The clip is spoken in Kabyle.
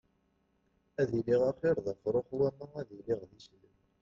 Ad iliɣ axiṛ d afṛux wama ad iliɣ d islem.